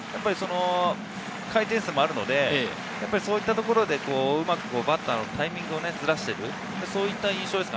回転数もあるので、そういったところで、うまくバッターのタイミングをずらしている、そういった印象です。